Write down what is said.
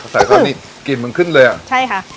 ใส่ก้อนนี้กลิ่นมันขึ้นเลยอ่ะใช่ค่ะ